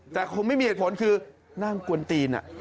แต่คงไม่มีเหตุผลคือนั่งกวนตีน